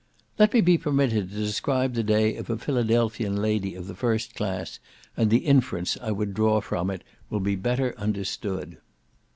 Let me be permitted to describe the day of a Philadelphian lady of the first class, and the inference I would draw from it will be better understood.